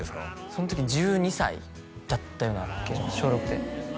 その時１２歳だったような気がします